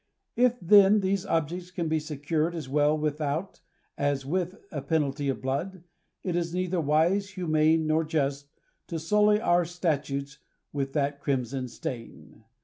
If then these objects can be secured as well with out, as with a penalty of blood, it is neither wise, humane, nor just ^to sully our statutes with that crimson stain.